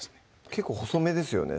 結構細めですよね